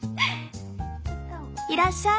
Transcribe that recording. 「いらっしゃい。